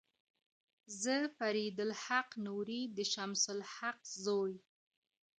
زه فريد الحق نوري د شمس الحق زوي